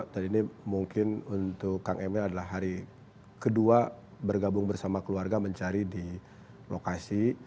dan ini mungkin untuk kang emil adalah hari kedua bergabung bersama keluarga mencari di lokasi